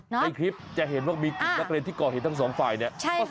ในคลิปจะเห็นว่ามีกลุ่มนักเรียนที่ก่อเหตุทั้งสองฝ่ายเนี่ย